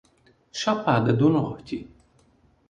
Chapada do Norte